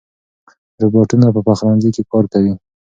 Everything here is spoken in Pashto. روباټونه په پخلنځي کې کار کوي.